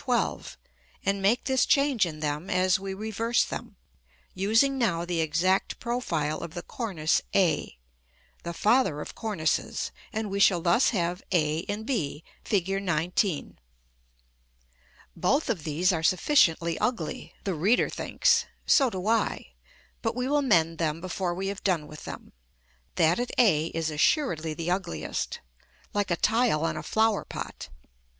XII., and make this change in them as we reverse them, using now the exact profile of the cornice a, the father of cornices; and we shall thus have a and b, Fig. XIX. [Illustration: Fig. XIX.] Both of these are sufficiently ugly, the reader thinks; so do I; but we will mend them before we have done with them: that at a is assuredly the ugliest, like a tile on a flower pot.